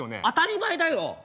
当たり前だよ。